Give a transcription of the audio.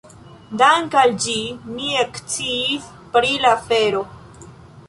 Dank' al ĝi mi eksciis pri la afero.